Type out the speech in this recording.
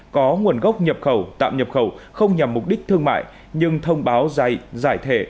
có nguồn gốc nhập khẩu tạm nhập khẩu không nhằm mục đích thương mại nhưng thông báo giải thể